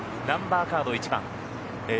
ナンバーカード１番